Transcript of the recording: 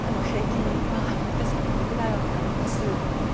平均早くて３年くらいはかかります。